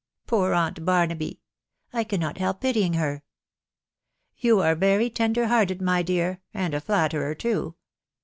" Poor aunt Barnaby I .... I cannot help pitying her !"" You are tender hearted, my dear, .... and a flatterer too